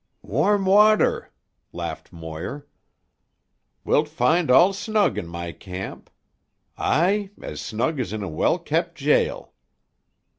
"Warm water!" laughed Moir. "Wilt find all snug in my camp. Aye, as snug as in a well kept jail."